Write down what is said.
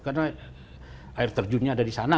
karena air terjunnya ada di sana